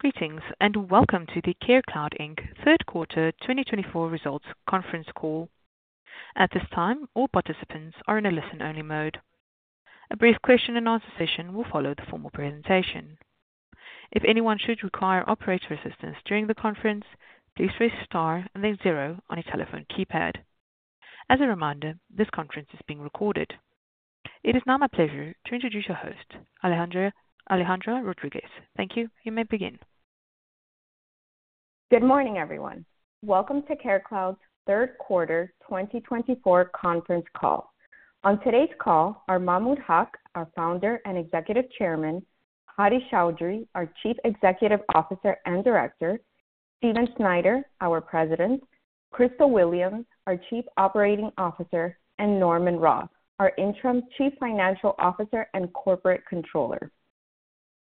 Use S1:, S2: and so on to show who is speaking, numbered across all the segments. S1: Greetings and welcome to the CareCloud, Inc. third quarter 2024 results conference call. At this time, all participants are in a listen-only mode. A brief question-and-answer session will follow the formal presentation. If anyone should require operator assistance during the conference, please press Star and then zero on your telephone keypad. As a reminder, this conference is being recorded. It is now my pleasure to introduce your host, Alejandra Rodriguez. Thank you. You may begin.
S2: Good morning, everyone. Welcome to CareCloud's third quarter 2024 conference call. On today's call are Mahmud Haq, our founder and Executive Chairman, Hadi Chaudhry, our Chief Executive Officer and Director, Stephen Snyder, our President, Crystal Williams, our Chief Operating Officer, and Norman Roth, our Interim Chief Financial Officer and Corporate Controller.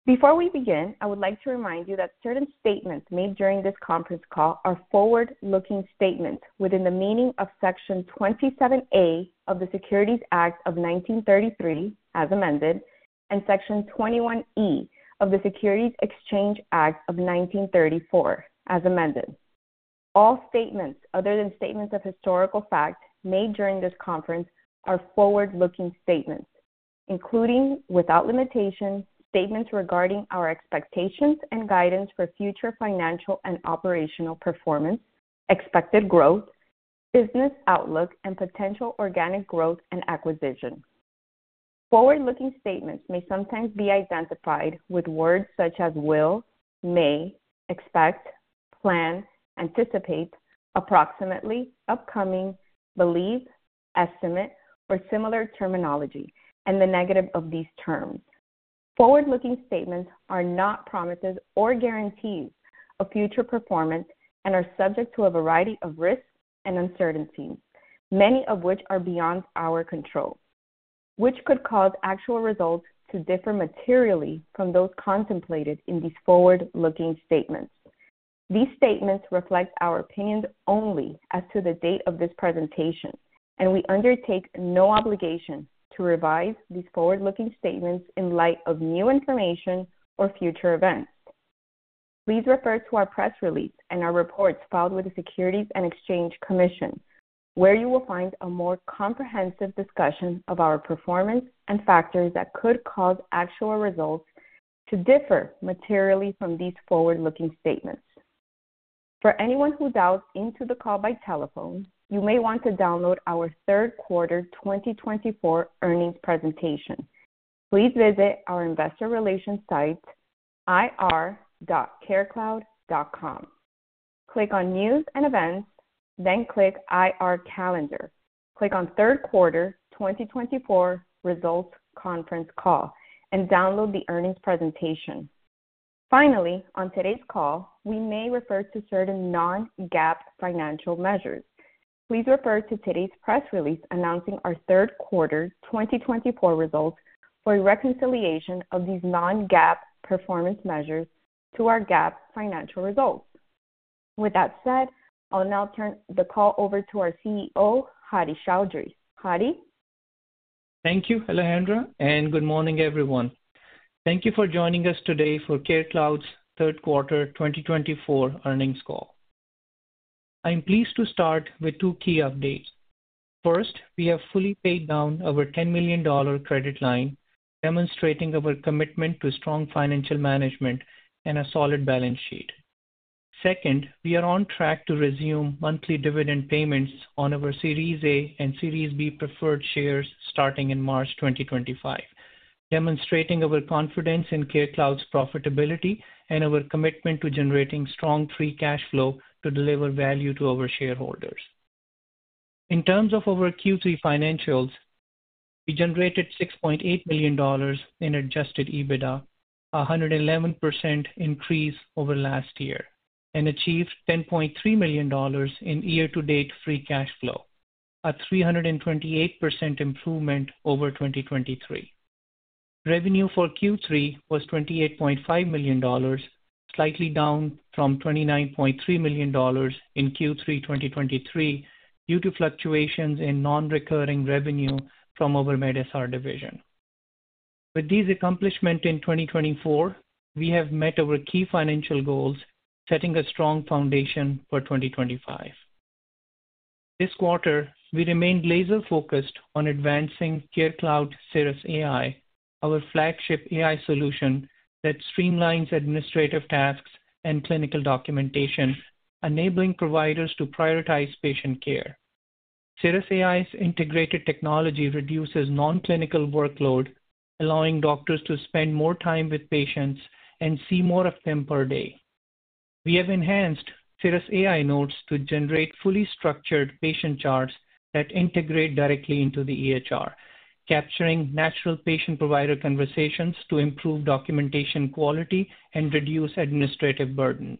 S2: Before we begin, I would like to remind you that certain statements made during this conference call are forward-looking statements within the meaning of Section 27A of the Securities Act of 1933, as amended, and Section 21E of the Securities Exchange Act of 1934, as amended. All statements other than statements of historical fact made during this conference are forward-looking statements, including, without limitation, statements regarding our expectations and guidance for future financial and operational performance, expected growth, business outlook, and potential organic growth and acquisition. Forward-looking statements may sometimes be identified with words such as will, may, expect, plan, anticipate, approximately, upcoming, believe, estimate, or similar terminology, and the negative of these terms. Forward-looking statements are not promises or guarantees of future performance and are subject to a variety of risks and uncertainties, many of which are beyond our control, which could cause actual results to differ materially from those contemplated in these forward-looking statements. These statements reflect our opinions only as to the date of this presentation, and we undertake no obligation to revise these forward-looking statements in light of new information or future events. Please refer to our press release and our reports filed with the Securities and Exchange Commission, where you will find a more comprehensive discussion of our performance and factors that could cause actual results to differ materially from these forward-looking statements. For anyone who dials into the call by telephone, you may want to download our third quarter 2024 earnings presentation. Please visit our investor relations site, ir.carecloud.com. Click on News and Events, then click IR Calendar. Click on third quarter 2024 results conference call and download the earnings presentation. Finally, on today's call, we may refer to certain non-GAAP financial measures. Please refer to today's press release announcing our third quarter 2024 results for reconciliation of these non-GAAP performance measures to our GAAP financial results. With that said, I'll now turn the call over to our CEO, Hadi Chaudhry. Hadi.
S3: Thank you, Alejandra, and good morning, everyone. Thank you for joining us today for CareCloud's third quarter 2024 earnings call. I'm pleased to start with two key updates. First, we have fully paid down our $10 million credit line, demonstrating our commitment to strong financial management and a solid balance sheet. Second, we are on track to resume monthly dividend payments on our Series A and Series B preferred shares starting in March 2025, demonstrating our confidence in CareCloud's profitability and our commitment to generating strong free cash flow to deliver value to our shareholders. In terms of our Q3 financials, we generated $6.8 million in adjusted EBITDA, 111% increase over last year, and achieved $10.3 million in year-to-date free cash flow, a 328% improvement over 2023. Revenue for Q3 was $28.5 million, slightly down from $29.3 million in Q3 2023 due to fluctuations in non-recurring revenue from our medSR division. With these accomplishments in 2024, we have met our key financial goals, setting a strong foundation for 2025. This quarter, we remained laser-focused on advancing CareCloud cirrusAI, our flagship AI solution that streamlines administrative tasks and clinical documentation, enabling providers to prioritize patient care. cirrusAI's integrated technology reduces non-clinical workload, allowing doctors to spend more time with patients and see more of them per day. We have enhanced cirrusAI notes to generate fully structured patient charts that integrate directly into the EHR, capturing natural patient-provider conversations to improve documentation quality and reduce administrative burdens.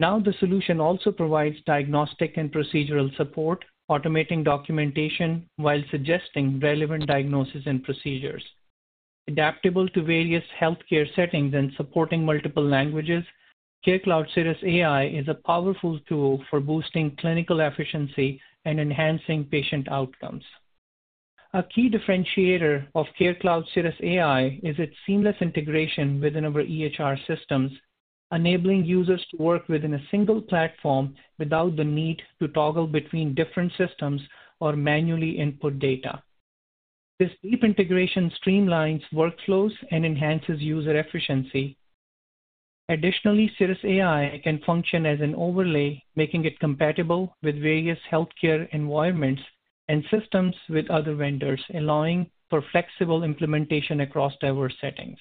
S3: Now, the solution also provides diagnostic and procedural support, automating documentation while suggesting relevant diagnoses and procedures. Adaptable to various healthcare settings and supporting multiple languages, CareCloud cirrusAI is a powerful tool for boosting clinical efficiency and enhancing patient outcomes. A key differentiator of CareCloud cirrusAI is its seamless integration within our EHR systems, enabling users to work within a single platform without the need to toggle between different systems or manually input data. This deep integration streamlines workflows and enhances user efficiency. Additionally, cirrusAI can function as an overlay, making it compatible with various healthcare environments and systems with other vendors, allowing for flexible implementation across diverse settings.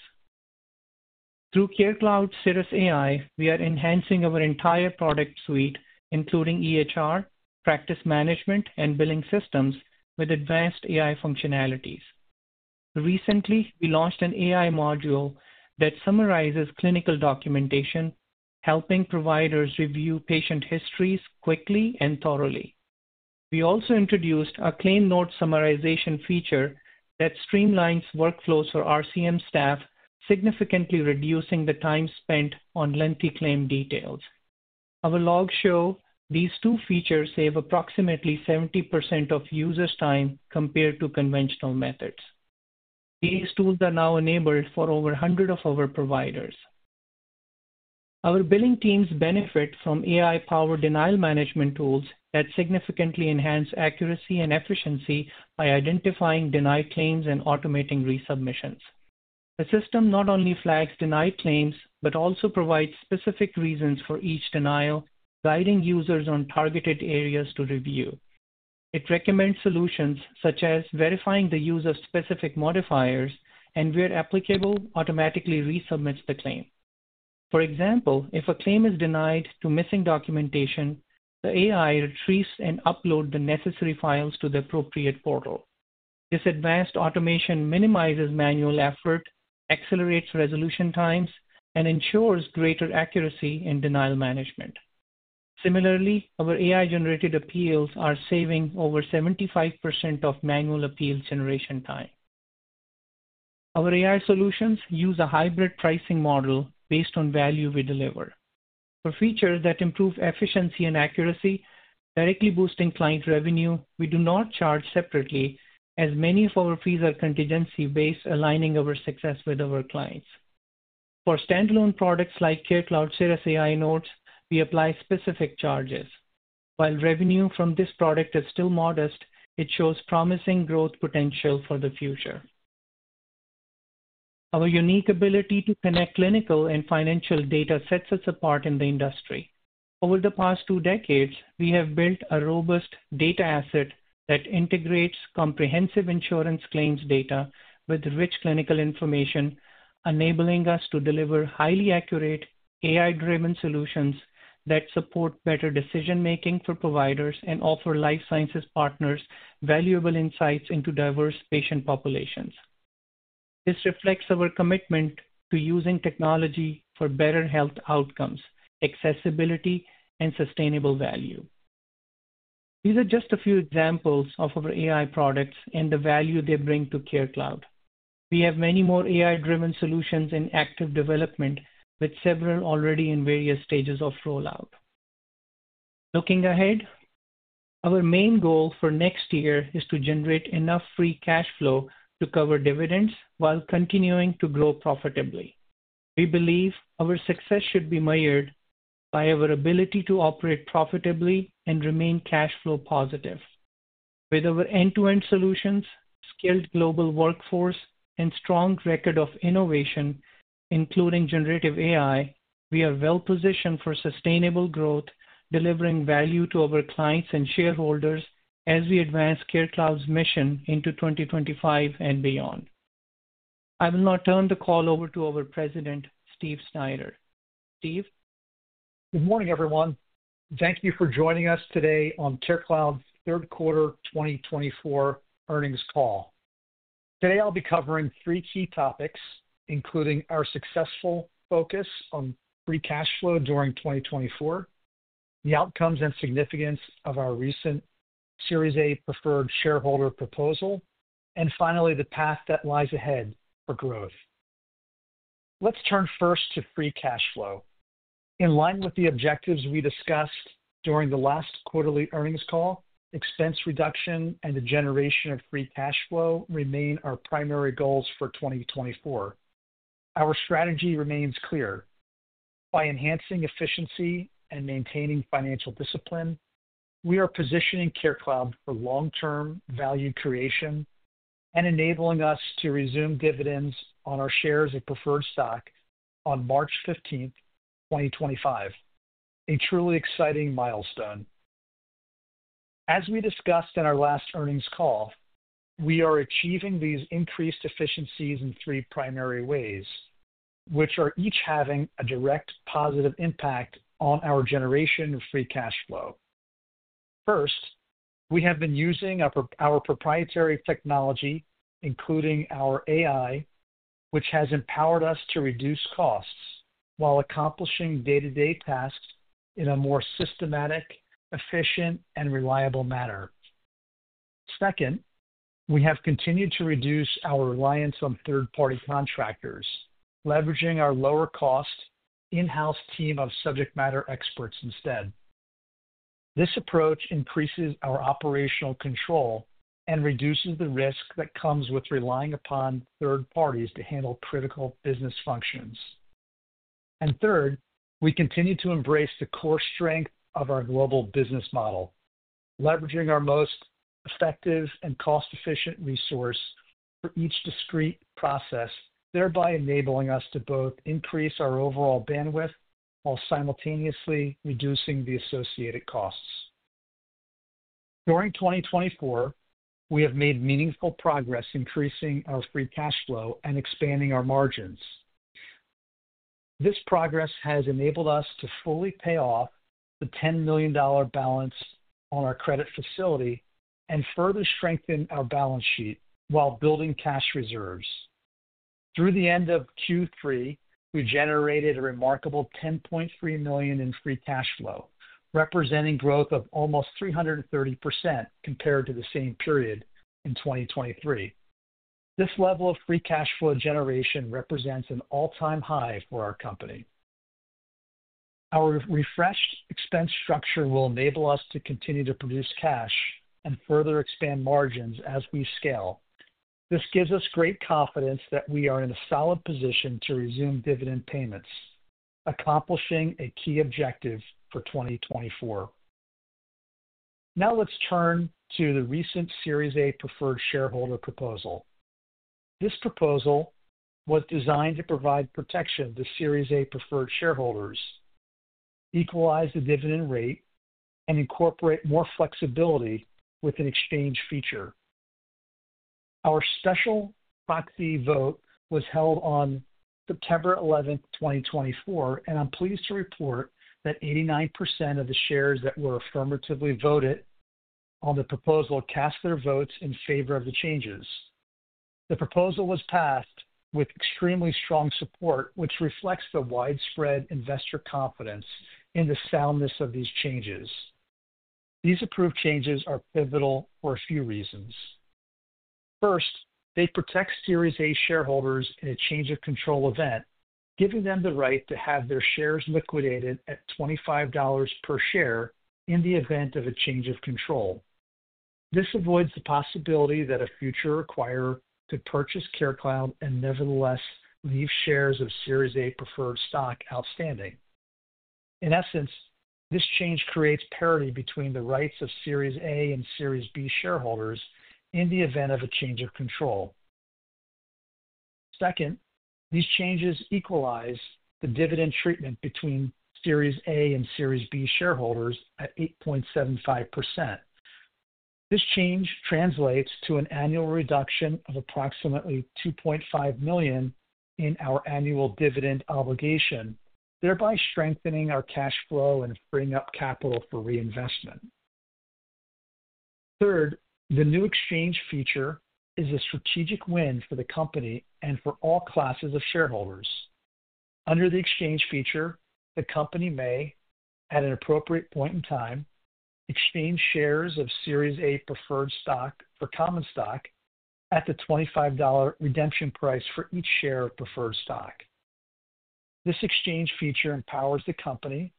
S3: Through CareCloud cirrusAI, we are enhancing our entire product suite, including EHR, practice management, and billing systems with advanced AI functionalities. Recently, we launched an AI module that summarizes clinical documentation, helping providers review patient histories quickly and thoroughly. We also introduced a claim note summarization feature that streamlines workflows for RCM staff, significantly reducing the time spent on lengthy claim details. Our logs show these two features save approximately 70% of users' time compared to conventional methods. These tools are now enabled for over 100 of our providers. Our billing teams benefit from AI-powered denial management tools that significantly enhance accuracy and efficiency by identifying denied claims and automating resubmissions. The system not only flags denied claims but also provides specific reasons for each denial, guiding users on targeted areas to review. It recommends solutions such as verifying the use of specific modifiers, and where applicable, automatically resubmits the claim. For example, if a claim is denied due to missing documentation, the AI retrieves and uploads the necessary files to the appropriate portal. This advanced automation minimizes manual effort, accelerates resolution times, and ensures greater accuracy in denial management. Similarly, our AI-generated appeals are saving over 75% of manual appeals generation time. Our AI solutions use a hybrid pricing model based on value we deliver. For features that improve efficiency and accuracy, directly boosting client revenue, we do not charge separately, as many of our fees are contingency-based, aligning our success with our clients. For standalone products like CareCloud cirrusAI Notes, we apply specific charges. While revenue from this product is still modest, it shows promising growth potential for the future. Our unique ability to connect clinical and financial data sets a support in the industry. Over the past two decades, we have built a robust data asset that integrates comprehensive insurance claims data with rich clinical information, enabling us to deliver highly accurate, AI-driven solutions that support better decision-making for providers and offer life sciences partners valuable insights into diverse patient populations. This reflects our commitment to using technology for better health outcomes, accessibility, and sustainable value. These are just a few examples of our AI products and the value they bring to CareCloud. We have many more AI-driven solutions in active development, with several already in various stages of rollout. Looking ahead, our main goal for next year is to generate enough free cash flow to cover dividends while continuing to grow profitably. We believe our success should be mirrored by our ability to operate profitably and remain cash flow positive. With our end-to-end solutions, skilled global workforce, and strong record of innovation, including generative AI, we are well-positioned for sustainable growth, delivering value to our clients and shareholders as we advance CareCloud's mission into 2025 and beyond. I will now turn the call over to our president, Steve Snyder. Steve?
S4: Good morning, everyone. Thank you for joining us today on CareCloud's third quarter 2024 earnings call. Today, I'll be covering three key topics, including our successful focus on free cash flow during 2024, the outcomes and significance of our recent Series A preferred shareholder proposal, and finally, the path that lies ahead for growth. Let's turn first to free cash flow. In line with the objectives we discussed during the last quarterly earnings call, expense reduction and the generation of free cash flow remain our primary goals for 2024. Our strategy remains clear. By enhancing efficiency and maintaining financial discipline, we are positioning CareCloud for long-term value creation and enabling us to resume dividends on our shares of preferred stock on March 15, 2025, a truly exciting milestone. As we discussed in our last earnings call, we are achieving these increased efficiencies in three primary ways, which are each having a direct positive impact on our generation of Free Cash Flow. First, we have been using our proprietary technology, including our AI, which has empowered us to reduce costs while accomplishing day-to-day tasks in a more systematic, efficient, and reliable manner. Second, we have continued to reduce our reliance on third-party contractors, leveraging our lower-cost in-house team of subject-matter experts instead. This approach increases our operational control and reduces the risk that comes with relying upon third parties to handle critical business functions. And third, we continue to embrace the core strength of our global business model, leveraging our most effective and cost-efficient resource for each discrete process, thereby enabling us to both increase our overall bandwidth while simultaneously reducing the associated costs. During 2024, we have made meaningful progress increasing our free cash flow and expanding our margins. This progress has enabled us to fully pay off the $10 million balance on our credit facility and further strengthen our balance sheet while building cash reserves. Through the end of Q3, we generated a remarkable $10.3 million in free cash flow, representing growth of almost 330% compared to the same period in 2023. This level of free cash flow generation represents an all-time high for our company. Our refreshed expense structure will enable us to continue to produce cash and further expand margins as we scale. This gives us great confidence that we are in a solid position to resume dividend payments, accomplishing a key objective for 2024. Now, let's turn to the recent Series A preferred shareholder proposal. This proposal was designed to provide protection to Series A preferred shareholders, equalize the dividend rate, and incorporate more flexibility with an exchange feature. Our special proxy vote was held on September 11, 2024, and I'm pleased to report that 89% of the shares that were affirmatively voted on the proposal cast their votes in favor of the changes. The proposal was passed with extremely strong support, which reflects the widespread investor confidence in the soundness of these changes. These approved changes are pivotal for a few reasons. First, they protect Series A shareholders in a change of control event, giving them the right to have their shares liquidated at $25 per share in the event of a change of control. This avoids the possibility that a future acquirer could purchase CareCloud and nevertheless leave shares of Series A preferred stock outstanding. In essence, this change creates parity between the rights of Series A and Series B shareholders in the event of a change of control. Second, these changes equalize the dividend treatment between Series A and Series B shareholders at 8.75%. This change translates to an annual reduction of approximately $2.5 million in our annual dividend obligation, thereby strengthening our cash flow and freeing up capital for reinvestment. Third, the new exchange feature is a strategic win for the company and for all classes of shareholders. Under the exchange feature, the company may, at an appropriate point in time, exchange shares of Series A preferred stock for common stock at the $25 redemption price for each share of preferred stock. This exchange feature empowers the company,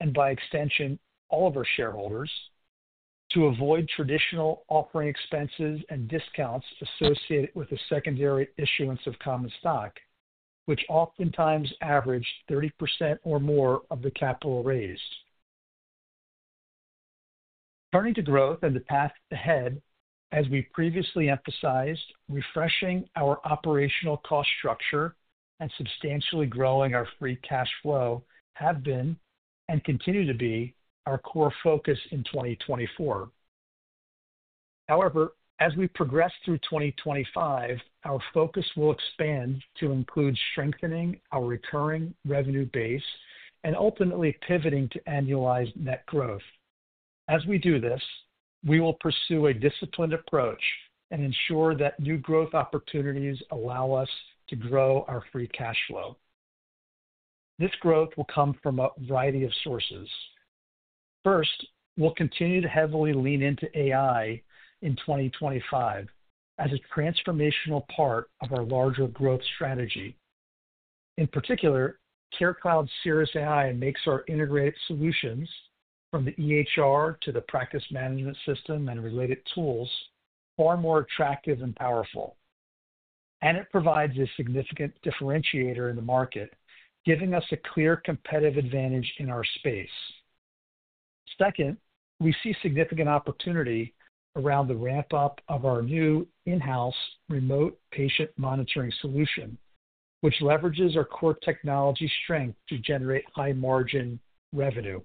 S4: and by extension, all of our shareholders, to avoid traditional offering expenses and discounts associated with the secondary issuance of common stock, which oftentimes average 30% or more of the capital raised. Turning to growth and the path ahead, as we previously emphasized, refreshing our operational cost structure and substantially growing our free cash flow have been and continue to be our core focus in 2024. However, as we progress through 2025, our focus will expand to include strengthening our recurring revenue base and ultimately pivoting to annualized net growth. As we do this, we will pursue a disciplined approach and ensure that new growth opportunities allow us to grow our free cash flow. This growth will come from a variety of sources. First, we'll continue to heavily lean into AI in 2025 as a transformational part of our larger growth strategy. In particular, CareCloud cirrusAI makes our integrated solutions, from the EHR to the practice management system and related tools, far more attractive and powerful. And it provides a significant differentiator in the market, giving us a clear competitive advantage in our space. Second, we see significant opportunity around the ramp-up of our new in-house remote patient monitoring solution, which leverages our core technology strength to generate high-margin revenue.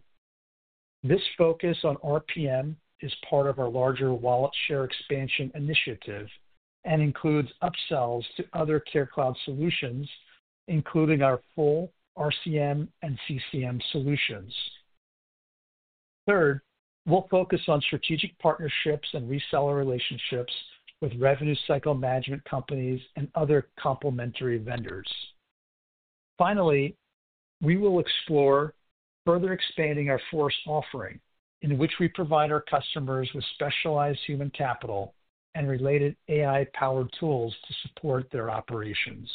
S4: This focus on RPM is part of our larger wallet share expansion initiative and includes upsells to other CareCloud solutions, including our full RCM and CCM solutions. Third, we'll focus on strategic partnerships and reseller relationships with revenue cycle management companies and other complementary vendors. Finally, we will explore further expanding our force offering, in which we provide our customers with specialized human capital and related AI-powered tools to support their operations.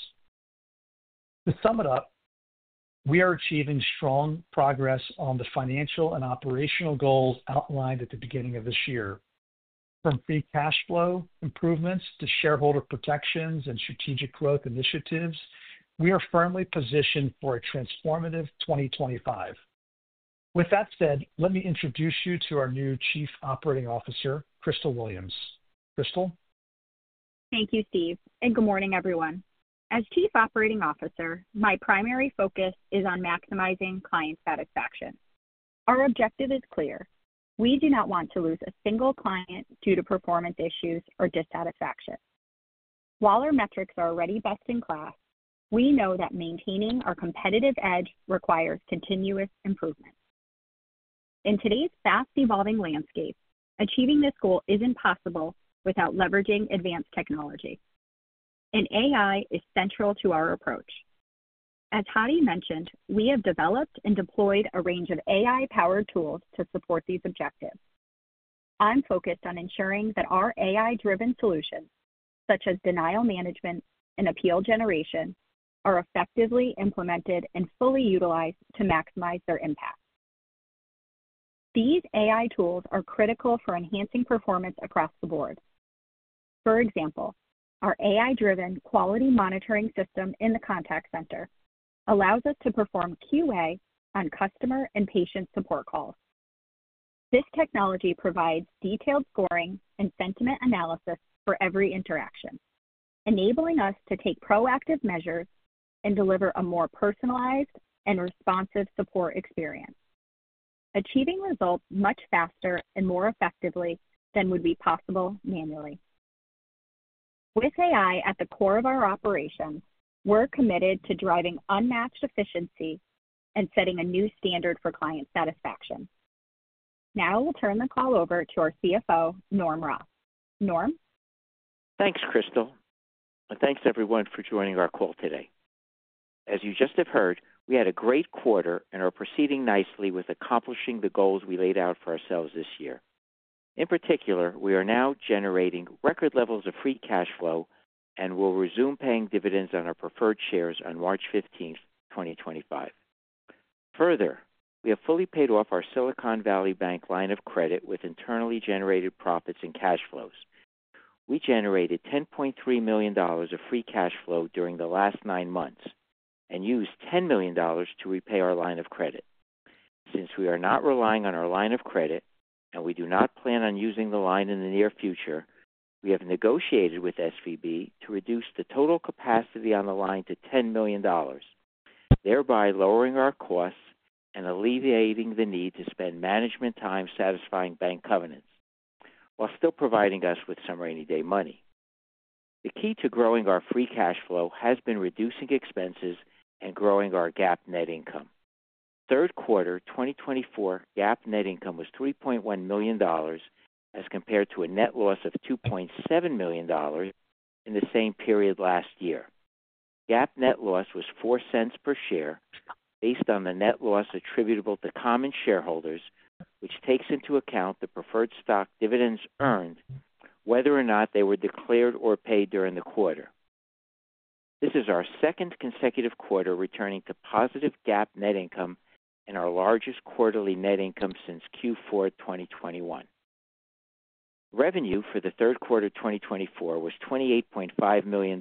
S4: To sum it up, we are achieving strong progress on the financial and operational goals outlined at the beginning of this year. From free cash flow improvements to shareholder protections and strategic growth initiatives, we are firmly positioned for a transformative 2025. With that said, let me introduce you to our new Chief Operating Officer, Crystal Williams. Crystal?
S5: Thank you, Steve, and good morning, everyone. As Chief Operating Officer, my primary focus is on maximizing client satisfaction. Our objective is clear. We do not want to lose a single client due to performance issues or dissatisfaction. While our metrics are already best in class, we know that maintaining our competitive edge requires continuous improvement. In today's fast-evolving landscape, achieving this goal isn't possible without leveraging advanced technology, and AI is central to our approach. As Hadi mentioned, we have developed and deployed a range of AI-powered tools to support these objectives. I'm focused on ensuring that our AI-driven solutions, such as denial management and appeal generation, are effectively implemented and fully utilized to maximize their impact. These AI tools are critical for enhancing performance across the board. For example, our AI-driven quality monitoring system in the contact center allows us to perform QA on customer and patient support calls. This technology provides detailed scoring and sentiment analysis for every interaction, enabling us to take proactive measures and deliver a more personalized and responsive support experience, achieving results much faster and more effectively than would be possible manually. With AI at the core of our operation, we're committed to driving unmatched efficiency and setting a new standard for client satisfaction. Now, we'll turn the call over to our CFO, Norm Roth. Norm?
S6: Thanks, Crystal, and thanks, everyone, for joining our call today. As you just have heard, we had a great quarter and are proceeding nicely with accomplishing the goals we laid out for ourselves this year. In particular, we are now generating record levels of free cash flow and will resume paying dividends on our preferred shares on March 15, 2025. Further, we have fully paid off our Silicon Valley Bank line of credit with internally generated profits and cash flows. We generated $10.3 million of free cash flow during the last nine months and used $10 million to repay our line of credit. Since we are not relying on our line of credit and we do not plan on using the line in the near future, we have negotiated with SVB to reduce the total capacity on the line to $10 million, thereby lowering our costs and alleviating the need to spend management time satisfying bank covenants while still providing us with some rainy day money. The key to growing our free cash flow has been reducing expenses and growing our GAAP net income. Third quarter 2024 GAAP net income was $3.1 million as compared to a net loss of $2.7 million in the same period last year. GAAP net loss was $0.04 per share based on the net loss attributable to common shareholders, which takes into account the preferred stock dividends earned, whether or not they were declared or paid during the quarter. This is our second consecutive quarter returning to positive GAAP net income and our largest quarterly net income since Q4 2021. Revenue for the third quarter 2024 was $28.5 million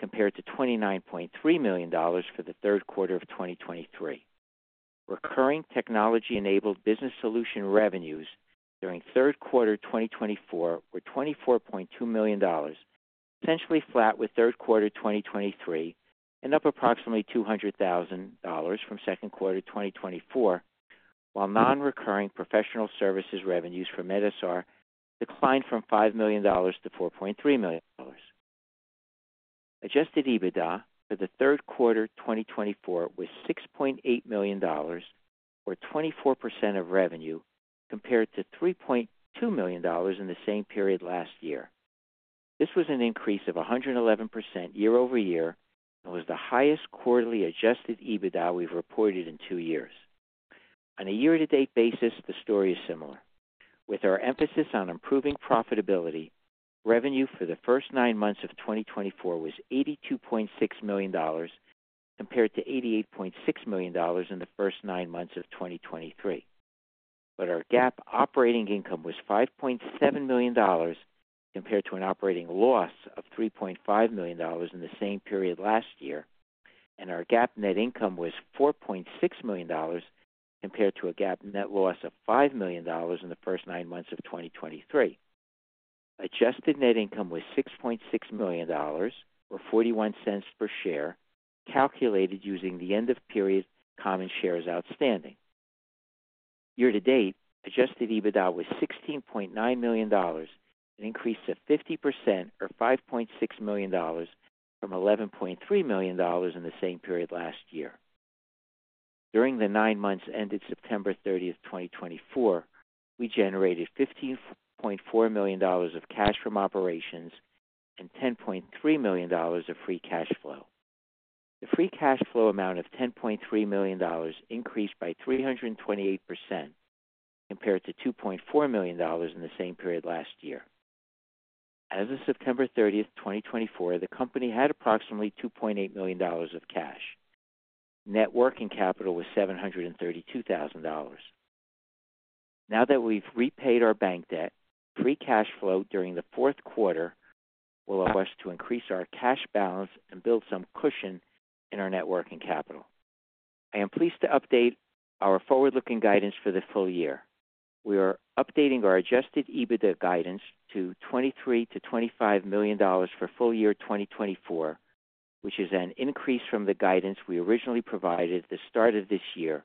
S6: compared to $29.3 million for the third quarter of 2023. Recurring technology-enabled business solution revenues during third quarter 2024 were $24.2 million, essentially flat with third quarter 2023 and up approximately $200,000 from second quarter 2024, while non-recurring professional services revenues for medSR declined from $5 million to $4.3 million. Adjusted EBITDA for the third quarter 2024 was $6.8 million, or 24% of revenue, compared to $3.2 million in the same period last year. This was an increase of 111% year over year and was the highest quarterly adjusted EBITDA we've reported in two years. On a year-to-date basis, the story is similar. With our emphasis on improving profitability, revenue for the first nine months of 2024 was $82.6 million compared to $88.6 million in the first nine months of 2023, but our GAAP operating income was $5.7 million compared to an operating loss of $3.5 million in the same period last year, and our GAAP net income was $4.6 million compared to a GAAP net loss of $5 million in the first nine months of 2023. Adjusted net income was $6.6 million, or $0.41 per share, calculated using the end-of-period common shares outstanding. Year-to-date, adjusted EBITDA was $16.9 million, an increase of 50%, or $5.6 million from $11.3 million in the same period last year. During the nine months ended September 30, 2024, we generated $15.4 million of cash from operations and $10.3 million of free cash flow. The free cash flow amount of $10.3 million increased by 328% compared to $2.4 million in the same period last year. As of September 30, 2024, the company had approximately $2.8 million of cash. Net working capital was $732,000. Now that we've repaid our bank debt, Free Cash Flow during the fourth quarter will allow us to increase our cash balance and build some cushion in our net working capital. I am pleased to update our forward-looking guidance for the full year. We are updating our Adjusted EBITDA guidance to $23-$25 million for full year 2024, which is an increase from the guidance we originally provided at the start of this year,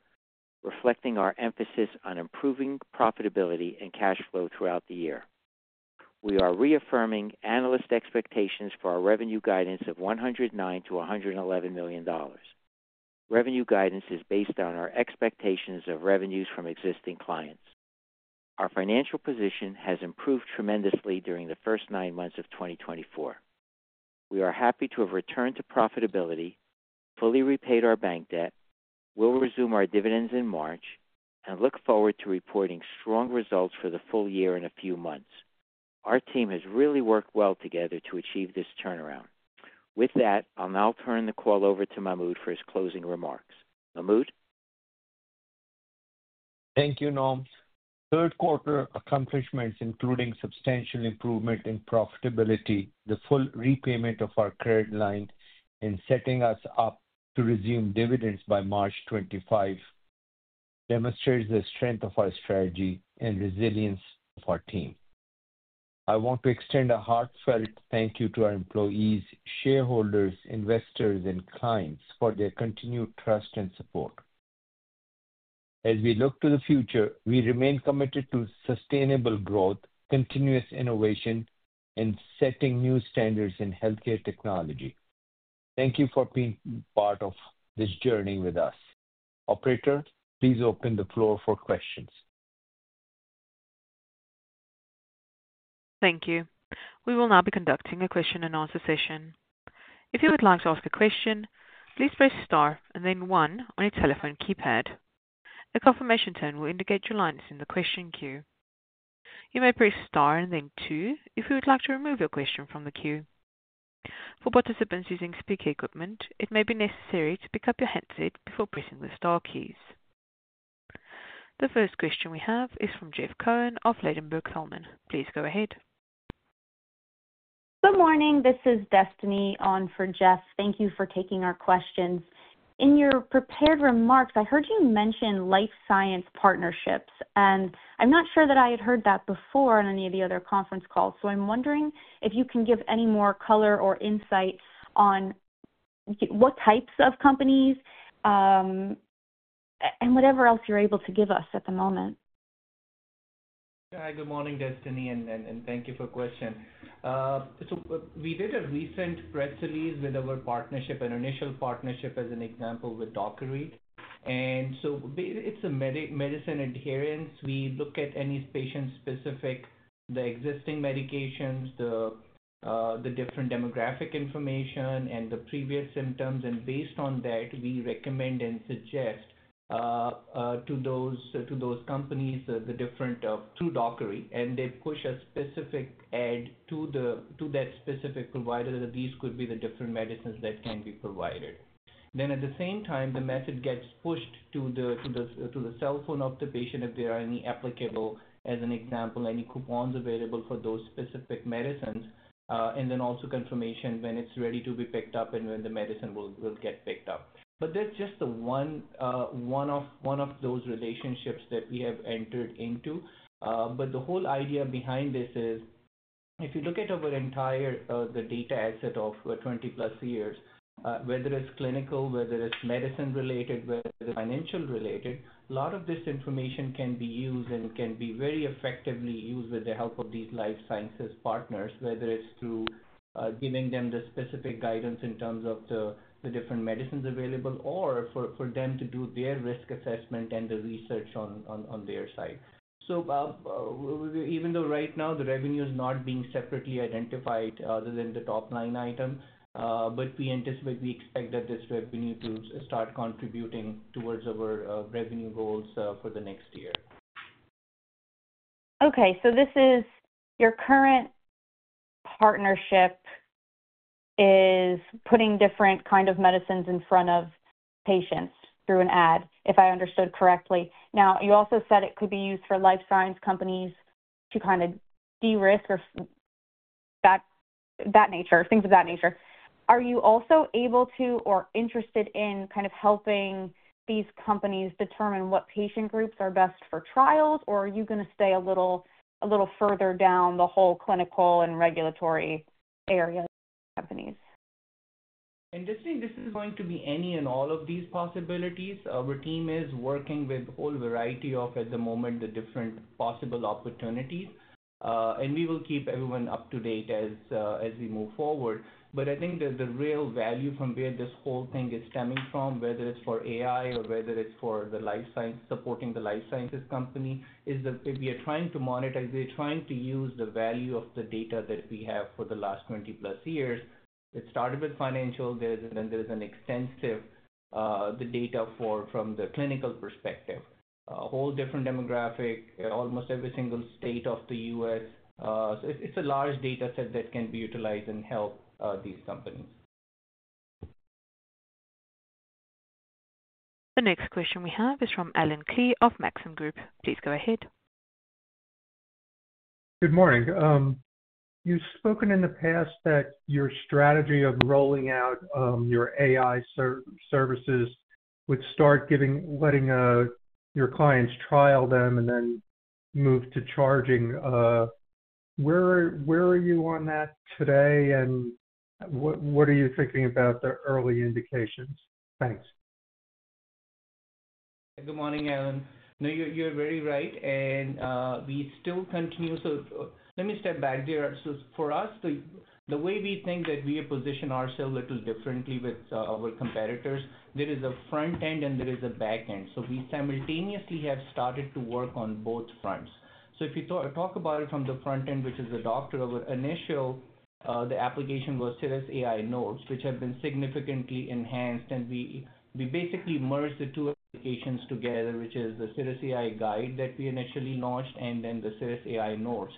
S6: reflecting our emphasis on improving profitability and cash flow throughout the year. We are reaffirming analyst expectations for our revenue guidance of $109-$111 million. Revenue guidance is based on our expectations of revenues from existing clients. Our financial position has improved tremendously during the first nine months of 2024. We are happy to have returned to profitability, fully repaid our bank debt, will resume our dividends in March, and look forward to reporting strong results for the full year in a few months. Our team has really worked well together to achieve this turnaround. With that, I'll now turn the call over to Mahmud for his closing remarks. Mahmud?
S7: Thank you, Norm. Third quarter accomplishments, including substantial improvement in profitability, the full repayment of our credit line, and setting us up to resume dividends by March 25, demonstrate the strength of our strategy and resilience of our team. I want to extend a heartfelt thank you to our employees, shareholders, investors, and clients for their continued trust and support. As we look to the future, we remain committed to sustainable growth, continuous innovation, and setting new standards in healthcare technology. Thank you for being part of this journey with us. Operator, please open the floor for questions.
S1: Thank you. We will now be conducting a question-and-answer session. If you would like to ask a question, please press Star and then 1 on your telephone keypad. A confirmation tone will indicate your line is in the question queue. You may press Star and then 2 if you would like to remove your question from the queue. For participants using speaker equipment, it may be necessary to pick up your headset before pressing the Star keys. The first question we have is from Jeff Cohen of Ladenburg Thalmann. Please go ahead.
S8: Good morning. This is Destiny on for Jeff. Thank you for taking our questions. In your prepared remarks, I heard you mention life science partnerships, and I'm not sure that I had heard that before on any of the other conference calls. So I'm wondering if you can give any more color or insight on what types of companies and whatever else you're able to give us at the moment.
S3: Hi, good morning, Destiny, and thank you for the question. So we did a recent press release with our partnership, an initial partnership, as an example with Doceree. And so it's a medicine adherence. We look at any patient-specific, the existing medications, the different demographic information, and the previous symptoms. And based on that, we recommend and suggest to those companies the different through Doceree. And they push a specific ad to that specific provider that these could be the different medicines that can be provided. Then, at the same time, the message gets pushed to the cell phone of the patient if there are any applicable, as an example, any coupons available for those specific medicines, and then also confirmation when it's ready to be picked up and when the medicine will get picked up. But that's just one of those relationships that we have entered into. But the whole idea behind this is, if you look at our entire data asset of 20-plus years, whether it's clinical, whether it's medicine-related, whether it's financial-related, a lot of this information can be used and can be very effectively used with the help of these life sciences partners, whether it's through giving them the specific guidance in terms of the different medicines available or for them to do their risk assessment and the research on their side. So even though right now the revenue is not being separately identified other than the top line item, but we anticipate, we expect that this revenue to start contributing towards our revenue goals for the next year.
S8: Okay, so this is your current partnership is putting different kinds of medicines in front of patients through an ad, if I understood correctly. Now, you also said it could be used for life science companies to kind of de-risk or that nature, things of that nature. Are you also able to or interested in kind of helping these companies determine what patient groups are best for trials, or are you going to stay a little further down the whole clinical and regulatory area companies?
S3: And Destiny, this is going to be any and all of these possibilities. Our team is working with a whole variety of, at the moment, the different possible opportunities. And we will keep everyone up to date as we move forward. But I think the real value from where this whole thing is stemming from, whether it's for AI or whether it's for the life science supporting the life sciences company, is that we are trying to monetize. We're trying to use the value of the data that we have for the last 20-plus years. It started with financial. There is an extensive data from the clinical perspective, a whole different demographic, almost every single state of the U.S. So it's a large data set that can be utilized and help these companies.
S1: The next question we have is from Allen Klee of Maxim Group. Please go ahead.
S9: Good morning. You've spoken in the past that your strategy of rolling out your AI services would start letting your clients trial them and then move to charging. Where are you on that today, and what are you thinking about the early indications? Thanks.
S3: Good morning, Allen. No, you're very right. And we still continue to, let me step back there. So for us, the way we think that we position ourselves a little differently with our competitors, there is a front end and there is a back end. So we simultaneously have started to work on both fronts. So if you talk about it from the front end, which is the doctor, our initial, the application was cirrusAI Notes, which have been significantly enhanced. And we basically merged the two applications together, which is the cirrusAI Guide that we initially launched and then the cirrusAI Notes.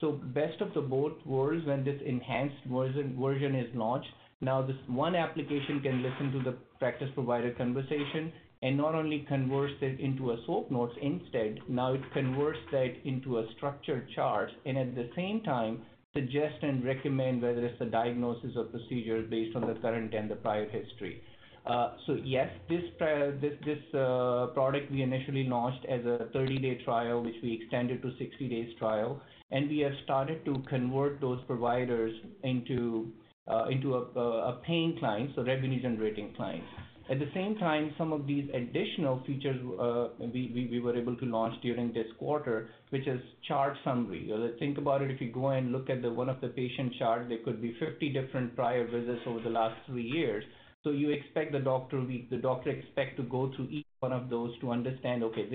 S3: So best of the both worlds when this enhanced version is launched. Now, this one application can listen to the practice provider conversation and not only converts it into a SOAP notes instead. Now, it converts that into a structured chart and, at the same time, suggests and recommends whether it's the diagnosis or procedure based on the current and the prior history. So yes, this product we initially launched as a 30-day trial, which we extended to 60-day trial. And we have started to convert those providers into a paying client, so revenue-generating client. At the same time, some of these additional features we were able to launch during this quarter, which is chart summary. Think about it. If you go and look at one of the patient charts, there could be 50 different prior visits over the last three years. So you expect the doctor to go through each one of those to understand, "Okay,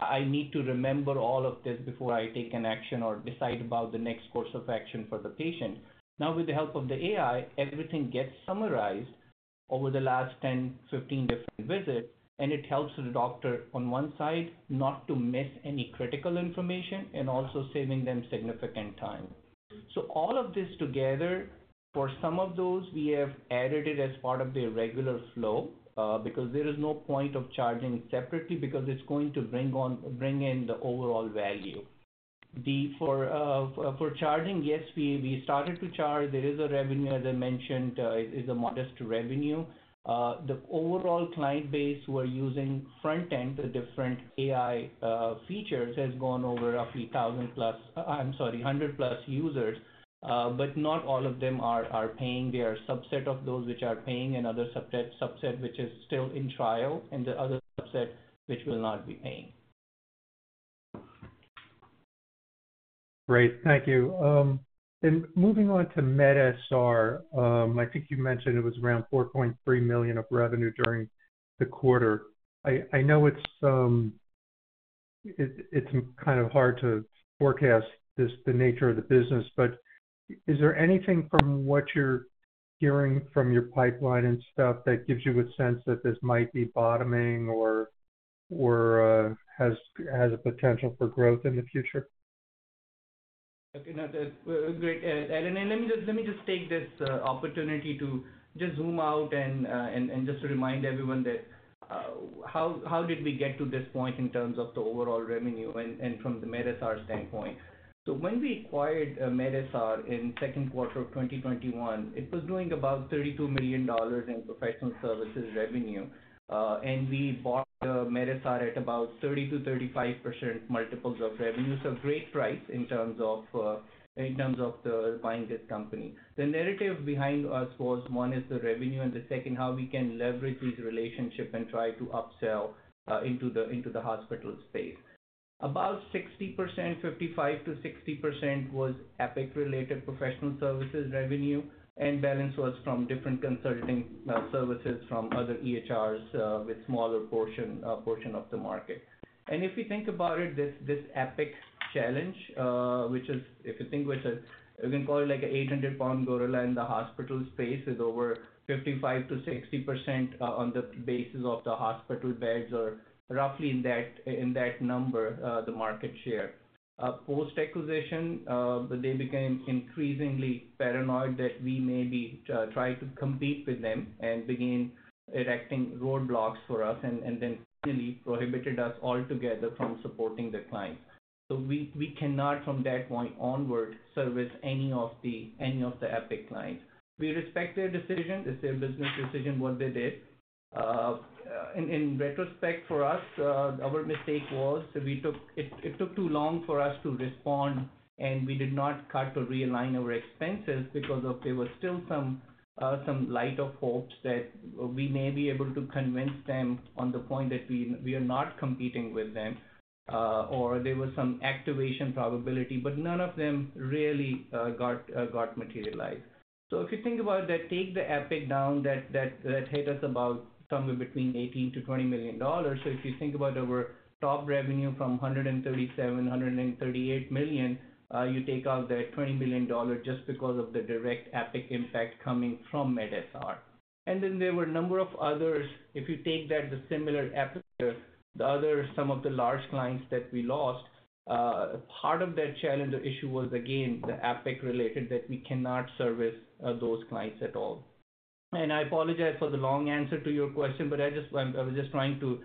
S3: I need to remember all of this before I take an action or decide about the next course of action for the patient." Now, with the help of the AI, everything gets summarized over the last 10, 15 different visits, and it helps the doctor, on one side, not to miss any critical information and also saving them significant time. So all of this together, for some of those, we have added it as part of their regular flow because there is no point of charging separately because it's going to bring in the overall value. For charging, yes, we started to charge. There is a revenue, as I mentioned, is a modest revenue. The overall client base who are using front-end, the different AI features, has gone over roughly 1,000-plus. I'm sorry, 100-plus users. But not all of them are paying. There are subsets of those which are paying and other subsets which are still in trial and the other subsets which will not be paying.
S9: Great. Thank you. And moving on to medSR, I think you mentioned it was around $4.3 million of revenue during the quarter. I know it's kind of hard to forecast the nature of the business, but is there anything from what you're hearing from your pipeline and stuff that gives you a sense that this might be bottoming or has a potential for growth in the future?
S3: Okay. Great, Allen. And let me just take this opportunity to just zoom out and just remind everyone that how did we get to this point in terms of the overall revenue and from the medSR standpoint? So when we acquired medSR in the second quarter of 2021, it was doing about $32 million in professional services revenue. And we bought medSR at about 30%-35% multiples of revenue. So a great price in terms of buying this company. The narrative behind us was, one, is the revenue, and the second, how we can leverage these relationships and try to upsell into the hospital space. About 55%-60% was Epic-related professional services revenue, and balance was from different consulting services from other EHRs with smaller portion of the market. If you think about it, this Epic challenge, which is, if you think, you can call it like a 800-pound gorilla in the hospital space with over 55%-60% on the basis of the hospital beds or roughly in that number, the market share. Post-acquisition, they became increasingly paranoid that we maybe tried to compete with them and began erecting roadblocks for us and then finally prohibited us altogether from supporting the client. So we cannot, from that point onward, service any of the Epic clients. We respect their decision. It's their business decision what they did. In retrospect, for us, our mistake was it took too long for us to respond, and we did not cut to realign our expenses because there was still some light of hopes that we may be able to convince them on the point that we are not competing with them or there was some activation probability, but none of them really got materialized. So if you think about that, take the Epic down that hit us about somewhere between $18 million-$20 million. So if you think about our top revenue from $137 million-$138 million, you take out that $20 million just because of the direct Epic impact coming from medSR, and then there were a number of others. If you take that, the similar Epic, the other some of the large clients that we lost, part of that challenge or issue was, again, the Epic-related that we cannot service those clients at all. And I apologize for the long answer to your question, but I was just trying to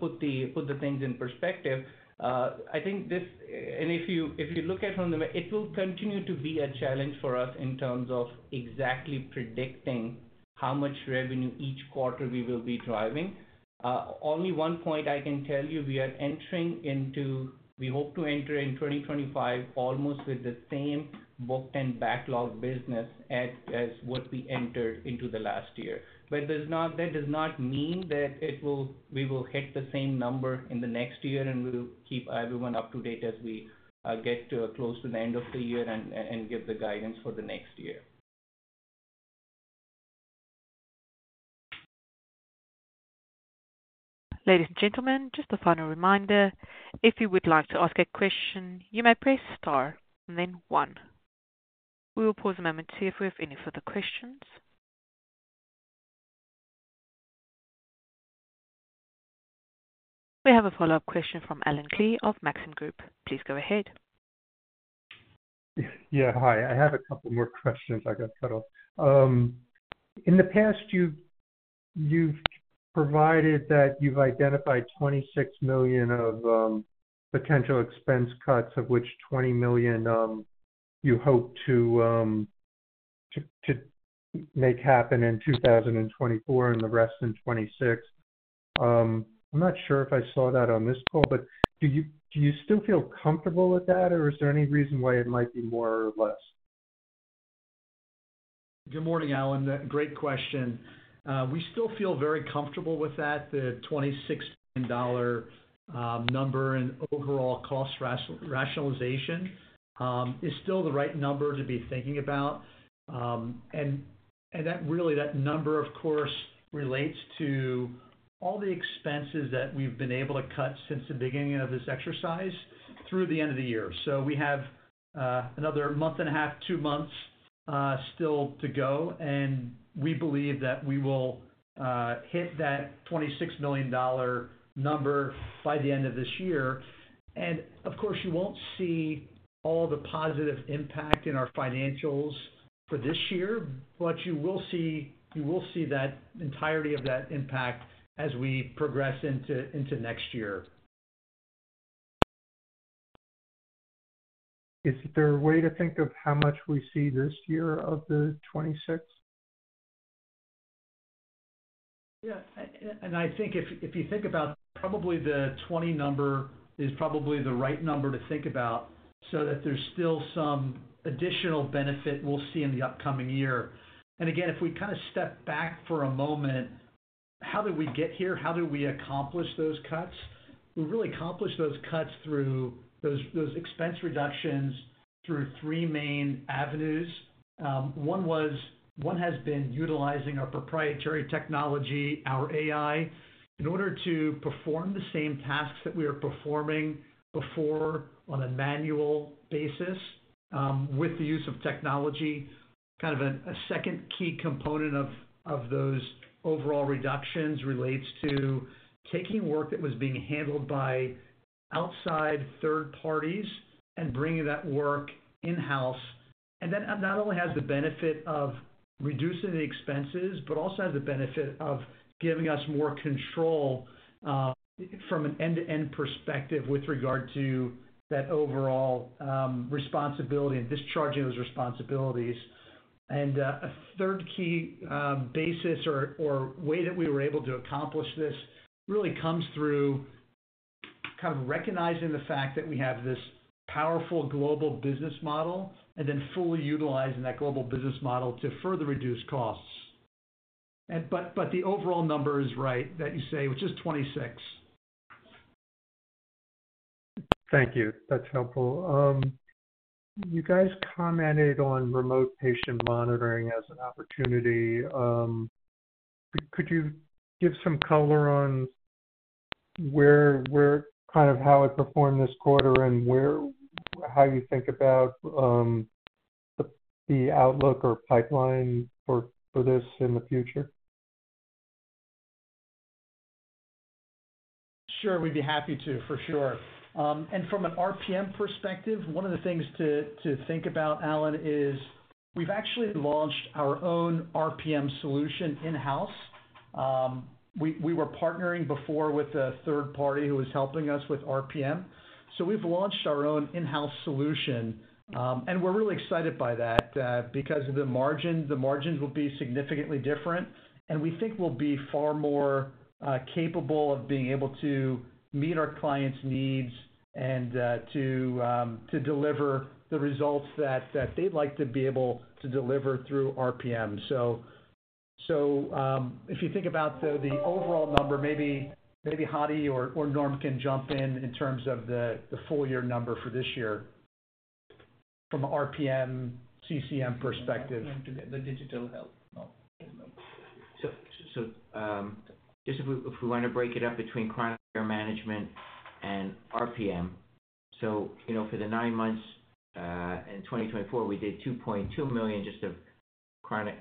S3: put the things in perspective. I think this, and if you look at it from the, it will continue to be a challenge for us in terms of exactly predicting how much revenue each quarter we will be driving. Only one point I can tell you, we are entering into, we hope to enter in 2025 almost with the same booked and backlogged business as what we entered into the last year. But that does not mean that we will hit the same number in the next year, and we'll keep everyone up to date as we get close to the end of the year and give the guidance for the next year.
S1: Ladies and gentlemen, just a final reminder. If you would like to ask a question, you may press Star and then one. We will pause a moment to see if we have any further questions. We have a follow-up question from Allen Klee of Maxim Group. Please go ahead.
S9: Yeah. Hi. I have a couple more questions. I got cut off. In the past, you've provided that you've identified $26 million of potential expense cuts, of which $20 million you hope to make happen in 2024 and the rest in 2026. I'm not sure if I saw that on this call, but do you still feel comfortable with that, or is there any reason why it might be more or less?
S4: Good morning, Allen. Great question. We still feel very comfortable with that. The $26 million number and overall cost rationalization is still the right number to be thinking about. And really, that number, of course, relates to all the expenses that we've been able to cut since the beginning of this exercise through the end of the year. So we have another month and a half, two months still to go. And we believe that we will hit that $26 million number by the end of this year. And of course, you won't see all the positive impact in our financials for this year, but you will see that entirety of that impact as we progress into next year.
S9: Is there a way to think of how much we see this year of the 26?
S4: Yeah. And I think if you think about probably the 20 number is probably the right number to think about so that there's still some additional benefit we'll see in the upcoming year. And again, if we kind of step back for a moment, how did we get here? How did we accomplish those cuts? We really accomplished those cuts through those expense reductions through three main avenues. One has been utilizing our proprietary technology, our AI, in order to perform the same tasks that we are performing before on a manual basis with the use of technology. Kind of a second key component of those overall reductions relates to taking work that was being handled by outside third parties and bringing that work in-house. And that not only has the benefit of reducing the expenses, but also has the benefit of giving us more control from an end-to-end perspective with regard to that overall responsibility and discharging those responsibilities. And a third key basis or way that we were able to accomplish this really comes through kind of recognizing the fact that we have this powerful global business model and then fully utilizing that global business model to further reduce costs. But the overall number is right that you say, which is 26.
S9: Thank you. That's helpful. You guys commented on remote patient monitoring as an opportunity. Could you give some color on kind of how it performed this quarter and how you think about the outlook or pipeline for this in the future?
S4: Sure. We'd be happy to, for sure. And from an RPM perspective, one of the things to think about, Allen, is we've actually launched our own RPM solution in-house. We were partnering before with a third party who was helping us with RPM. So we've launched our own in-house solution. And we're really excited by that because the margins will be significantly different. And we think we'll be far more capable of being able to meet our clients' needs and to deliver the results that they'd like to be able to deliver through RPM. So if you think about the overall number, maybe Hadi or Norm can jump in in terms of the full year number for this year from an RPM/CCM perspective.
S3: The digital health.
S6: So just if we want to break it up between chronic care management and RPM, so for the nine months in 2024, we did $2.2 million just of chronic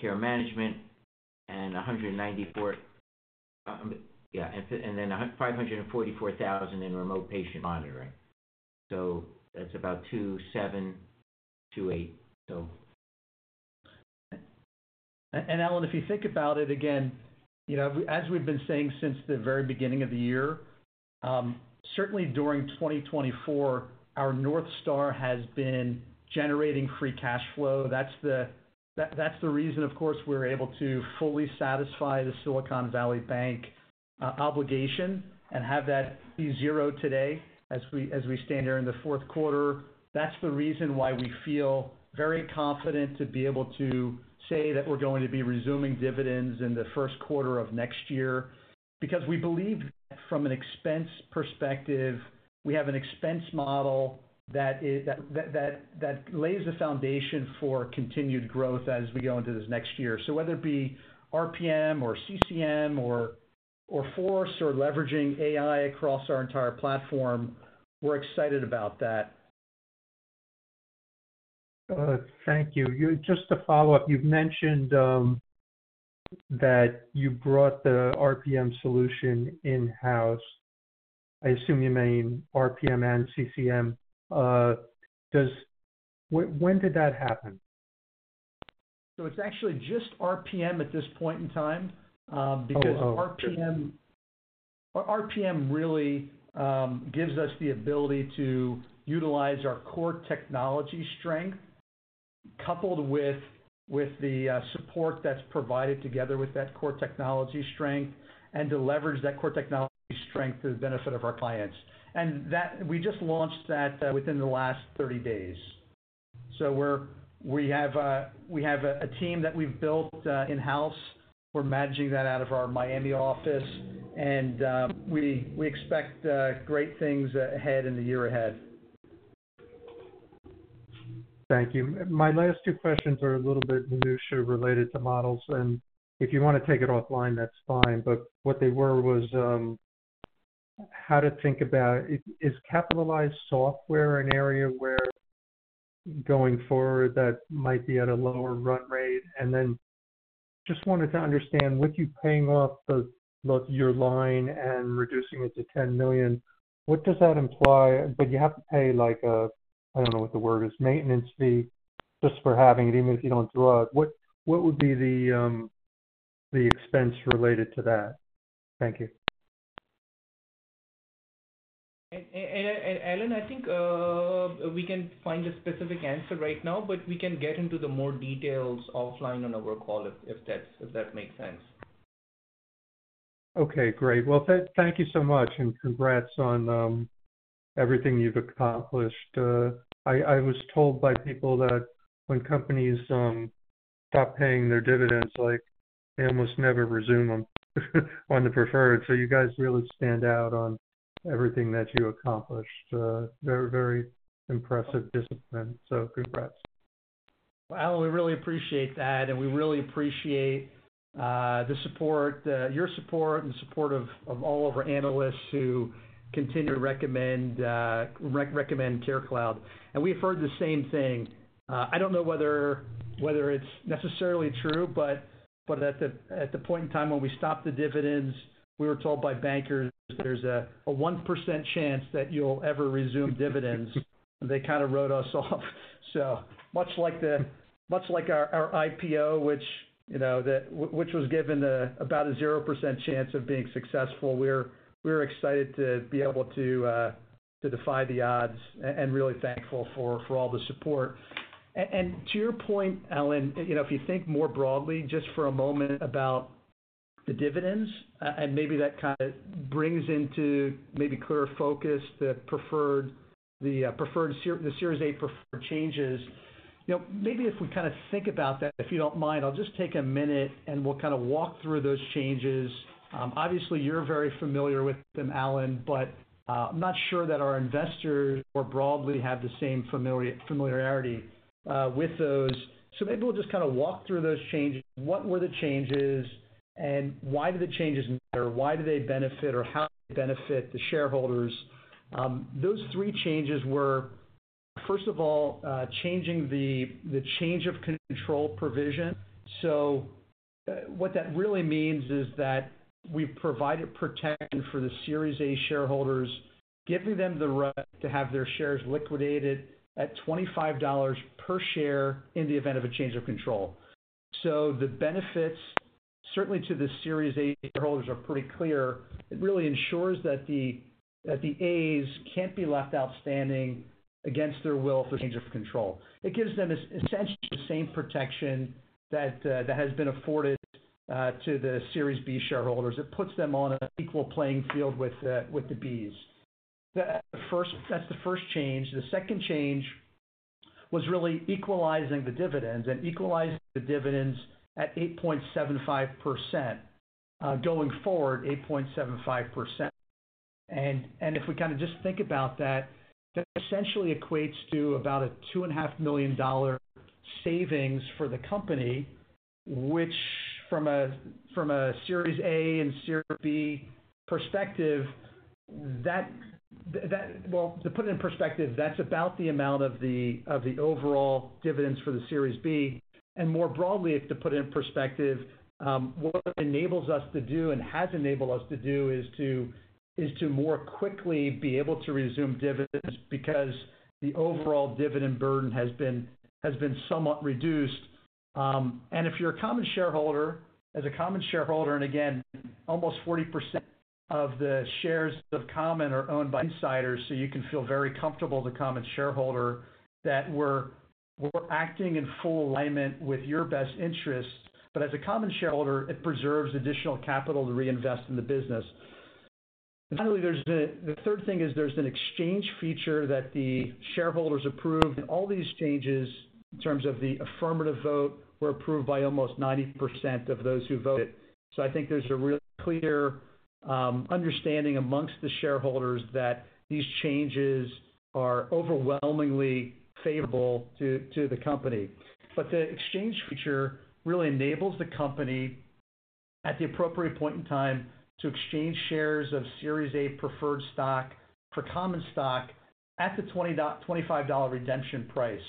S6: care management and $194,000, yeah, and then $544,000 in remote patient monitoring. So that's about 27 to 8, so.
S4: And Allen, if you think about it again, as we've been saying since the very beginning of the year, certainly during 2024, our north star has been generating free cash flow. That's the reason, of course, we're able to fully satisfy the Silicon Valley Bank obligation and have that be zero today as we stand here in the fourth quarter. That's the reason why we feel very confident to be able to say that we're going to be resuming dividends in the first quarter of next year because we believe that from an expense perspective, we have an expense model that lays the foundation for continued growth as we go into this next year. So whether it be RPM or CCM or Force or leveraging AI across our entire platform, we're excited about that.
S9: Thank you. Just to follow up, you've mentioned that you brought the RPM solution in-house. I assume you mean RPM and CCM. When did that happen?
S4: It's actually just RPM at this point in time because RPM really gives us the ability to utilize our core technology strength coupled with the support that's provided together with that core technology strength and to leverage that core technology strength to the benefit of our clients. We just launched that within the last 30 days. We have a team that we've built in-house. We're managing that out of our Miami office. We expect great things ahead in the year ahead.
S9: Thank you. My last two questions are a little bit minutiae related to models. And if you want to take it offline, that's fine. But what they were was how to think about is capitalized software an area where going forward that might be at a lower run rate? And then just wanted to understand with you paying off your line and reducing it to $10 million, what does that imply? But you have to pay like a, I don't know what the word is, maintenance fee just for having it, even if you don't draw it. What would be the expense related to that? Thank you.
S3: Allen, I think we can find a specific answer right now, but we can get into the more details offline on our call if that makes sense.
S9: Okay. Great. Well, thank you so much. And congrats on everything you've accomplished. I was told by people that when companies stop paying their dividends, they almost never resume them on the preferred. So you guys really stand out on everything that you accomplished. Very, very impressive discipline. So congrats.
S4: Well, we really appreciate that. And we really appreciate the support, your support, and the support of all of our analysts who continue to recommend CareCloud. And we've heard the same thing. I don't know whether it's necessarily true, but at the point in time when we stopped the dividends, we were told by bankers there's a 1% chance that you'll ever resume dividends. And they kind of wrote us off. So much like our IPO, which was given about a 0% chance of being successful, we're excited to be able to defy the odds and really thankful for all the support. And to your point, Allen, if you think more broadly just for a moment about the dividends, and maybe that kind of brings into maybe clearer focus the Series A preferred changes, maybe if we kind of think about that, if you don't mind, I'll just take a minute and we'll kind of walk through those changes. Obviously, you're very familiar with them, Allen, but I'm not sure that our investors more broadly have the same familiarity with those. So maybe we'll just kind of walk through those changes. What were the changes? And why did the changes matter? Why do they benefit or how do they benefit the shareholders? Those three changes were, first of all, changing the change of control provision. So what that really means is that we've provided protection for the Series A shareholders, giving them the right to have their shares liquidated at $25 per share in the event of a change of control. So the benefits, certainly to the Series A shareholders, are pretty clear. It really ensures that the A's can't be left outstanding against their will for change of control. It gives them essentially the same protection that has been afforded to the Series B shareholders. It puts them on an equal playing field with the Bs. That's the first change. The second change was really equalizing the dividends and equalizing the dividends at 8.75% going forward, 8.75%. If we kind of just think about that, that essentially equates to about a $2.5 million savings for the company, which from a Series A and Series B perspective, well, to put it in perspective, that's about the amount of the overall dividends for the Series B. More broadly, to put it in perspective, what it enables us to do and has enabled us to do is to more quickly be able to resume dividends because the overall dividend burden has been somewhat reduced. If you're a common shareholder, as a common shareholder, and again, almost 40% of the shares of common are owned by insiders, so you can feel very comfortable as a common shareholder that we're acting in full alignment with your best interests. As a common shareholder, it preserves additional capital to reinvest in the business. Finally, the third thing is there's an exchange feature that the shareholders approve, and all these changes in terms of the affirmative vote were approved by almost 90% of those who voted, so I think there's a real clear understanding among the shareholders that these changes are overwhelmingly favorable to the company, but the exchange feature really enables the company at the appropriate point in time to exchange shares of Series A preferred stock for common stock at the $25 redemption price,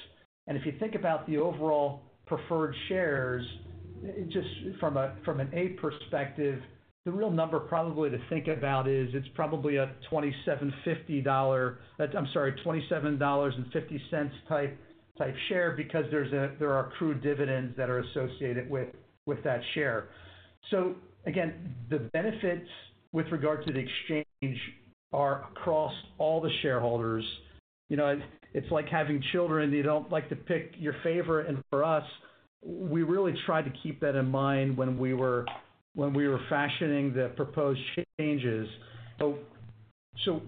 S4: and if you think about the overall preferred shares, just from an A perspective, the real number probably to think about is it's probably a $27.50, I'm sorry, $27.50 type share because there are accrued dividends that are associated with that share, so again, the benefits with regard to the exchange are across all the shareholders. It's like having children. They don't like to pick your favor. For us, we really tried to keep that in mind when we were fashioning the proposed changes.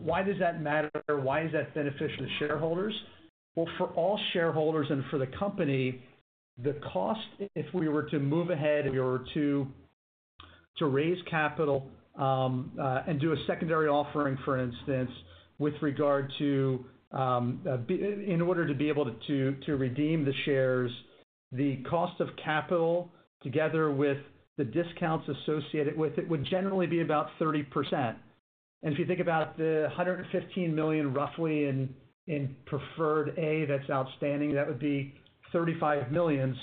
S4: Why does that matter? Why is that beneficial to shareholders? For all shareholders and for the company, the cost, if we were to move ahead and we were to raise capital and do a secondary offering, for instance, with regard to in order to be able to redeem the shares, the cost of capital together with the discounts associated with it would generally be about 30%. And if you think about the 115 million roughly in preferred A that's outstanding, that would be 35 million.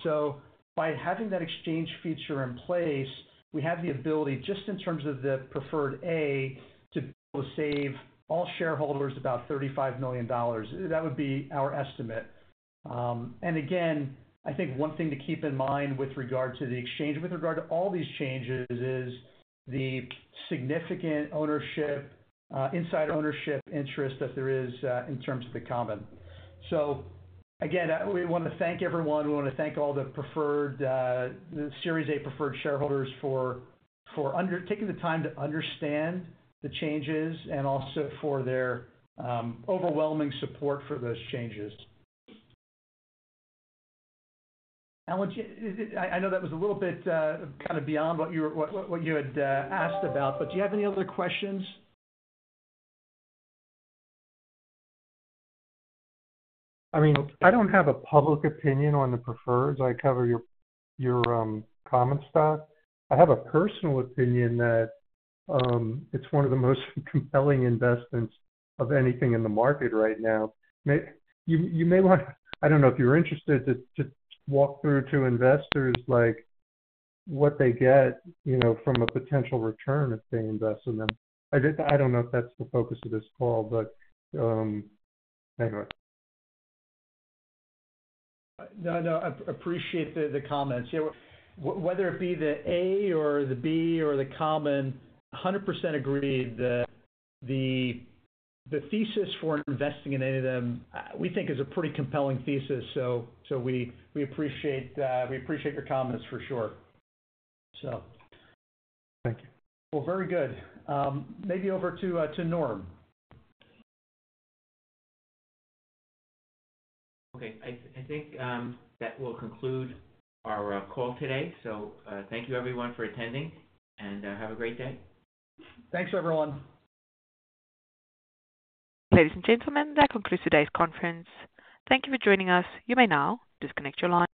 S4: By having that exchange feature in place, we have the ability just in terms of the preferred A to be able to save all shareholders about $35 million. That would be our estimate. And again, I think one thing to keep in mind with regard to the exchange with regard to all these changes is the significant ownership, inside ownership interest that there is in terms of the common. So again, we want to thank everyone. We want to thank all the Series A Preferred shareholders for taking the time to understand the changes and also for their overwhelming support for those changes. I know that was a little bit kind of beyond what you had asked about, but do you have any other questions?
S9: I mean, I don't have a public opinion on the preferreds. I cover your common stock. I have a personal opinion that it's one of the most compelling investments of anything in the market right now. You may want to, I don't know if you're interested to walk through to investors what they get from a potential return if they invest in them. I don't know if that's the focus of this call, but anyway.
S4: No, no. I appreciate the comments. Whether it be the A or the B or the common, 100% agreed that the thesis for investing in any of them, we think, is a pretty compelling thesis. So we appreciate your comments for sure, so.
S9: Thank you.
S4: Well, very good. maybe over to Norm.
S6: Okay. I think that will conclude our call today. So thank you, everyone, for attending, and have a great day.
S4: Thanks, everyone.
S1: Ladies and gentlemen, that concludes today's conference. Thank you for joining us. You may now disconnect your line.